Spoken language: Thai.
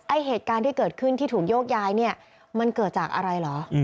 เหตุการณ์ที่เกิดขึ้นที่ถูกโยกย้ายเนี่ยมันเกิดจากอะไรเหรอ